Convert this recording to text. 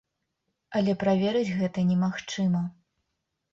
Але праверыць гэта немагчыма.